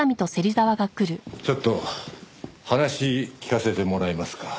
ちょっと話聞かせてもらえますか？